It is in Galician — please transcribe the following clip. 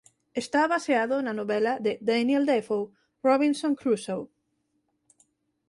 Está baseado na novela de Daniel Defoe "Robinson Crusoe".